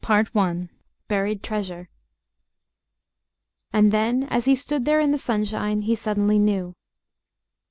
CHAPTER VI BURIED TREASURE AND then, as he stood there in the sunshine, he suddenly knew.